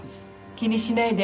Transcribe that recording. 気にしないで。